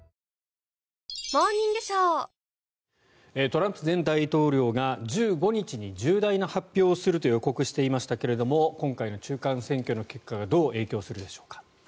トランプ前大統領が１５日に重大な発表をすると予告していましたが今回の中間選挙の結果がどう影響するでしょうか。